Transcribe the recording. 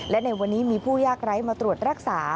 และในวันนี้มีผู้ยากไร้มาตรวจรักษา